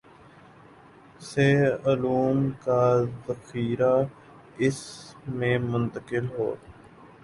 سے علوم کا ذخیرہ اس میں منتقل ہو